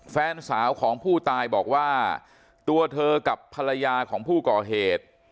แฟนสาวของผู้ตายบอกว่าตัวเธอกับภรรยาของผู้ก่อเหตุ